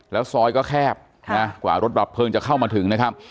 แล้วซอยก็แคบกว่ารถดับเพลิงจะเข้ามาถึงนะครับ